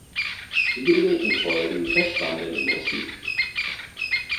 Die gedrehten Folgen verschwanden im Archiv.